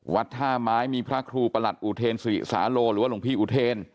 วัดท่าไม้มีพระครูประหลัดอุเทนศิริสาโลหรือว่าหลวงพี่อุเทน